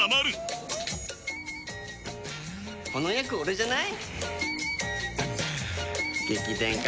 この役オレじゃない？